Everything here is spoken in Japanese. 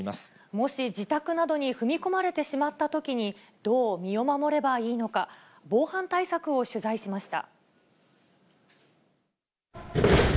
もし、自宅などに踏み込まれてしまったときに、どう身を守ればいいのか、防犯対策を取材しました。